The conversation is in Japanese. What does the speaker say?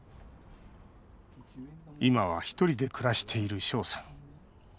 今は１人で暮らしている翔さん。